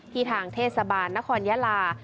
ที่ทางเทศบาลนครญาลา